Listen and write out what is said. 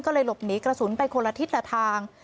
ก็เลยหลบหนีกระสุนไปคนละทิศละทาง